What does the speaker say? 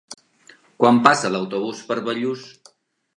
Quan passa l'autobús per Bellús?